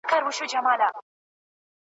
د سړیو غلبلې سي انګولا سي د لېوانو ,